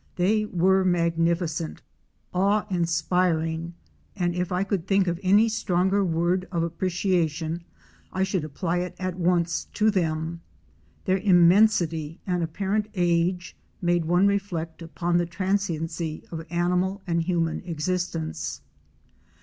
They were magnificent, awe inspiring, and if I could think of any stronger word of appreci ation I should apply it at once to them. Their immensity and apparent age made one reflect upon the transiency of animal and human existence.